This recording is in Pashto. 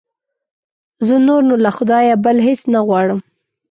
زه نور نو له خدایه بل هېڅ نه غواړم.